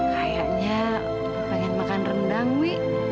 kayaknya pengen makan rendang wi